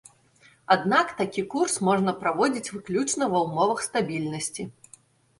Аднак такі курс можна праводзіць выключна ва ўмовах стабільнасці.